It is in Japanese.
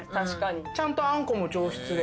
ちゃんとあんこも上質で。